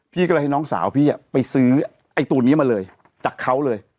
พี่ก็เลยให้น้องสาวพี่ไปซื้อไอ้ตัวนี้มาเลยจากเขาเลย